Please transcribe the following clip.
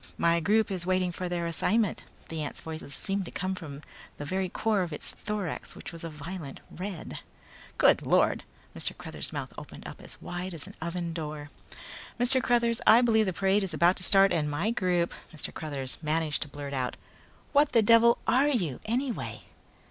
"My group is waiting for their assignment." The ant's voice seemed to be coming from the very core of its thorax which was a violent red. "Good Lord!" Mr. Cruthers' mouth opened up as wide as an oven door. "Mr. Cruthers, I believe the parade is about to start and my group " Mr. Cruthers managed to blurt out. "What the devil are you anyway!"